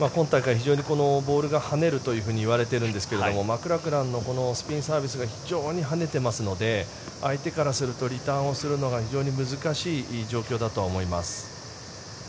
非常にボールが跳ねるといわれているんですけどマクラクランのスピンサービスが非常に跳ねていますので相手からするとリターンをするのが非常に難しい状況だとは思います。